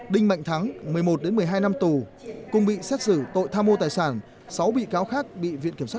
đinh mạnh thắng một mươi một một mươi hai năm tù cùng bị xét xử tội tham mô tài sản sáu bị cáo khác bị viện kiểm sát